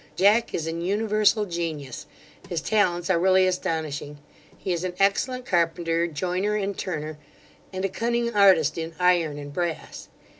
Jack is an universal genius his talents are really astonishing: He is an excellent carpenter, joiner, and turner, and a cunning artist in iron and brass.